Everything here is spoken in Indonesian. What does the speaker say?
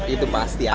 itu pasti ada